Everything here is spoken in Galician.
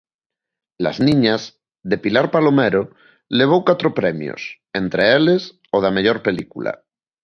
"Las niñas", de Pilar Palomero, levou catro premios, entre eles o da mellor película.